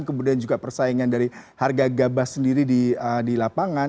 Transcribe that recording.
kemudian juga persaingan dari harga gabah sendiri di lapangan